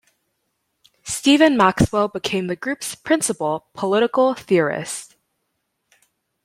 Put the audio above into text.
Stephen Maxwell became the group's principal political theorist.